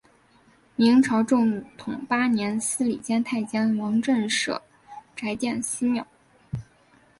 明朝正统八年司礼监太监王振舍宅建私庙。